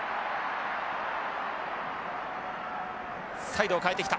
サイドを変えてきた。